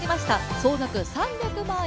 総額３００万円